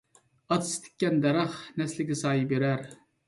ئاتىسى تىككەن دەرەخ، نەسلىگە سايە بېرەر.